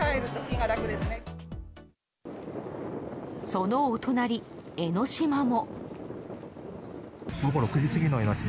そのお隣、江の島も。